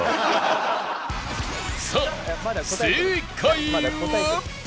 さあ正解は